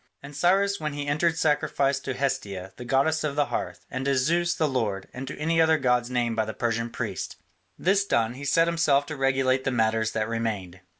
And Cyrus when he entered sacrificed to Hestia, the goddess of the Hearth, and to Zeus the Lord, and to any other gods named by the Persian priests. This done, he set himself to regulate the matters that remained.